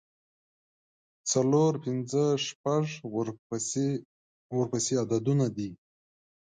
څلور، پنځه، شپږ ورپسې عددونه دي.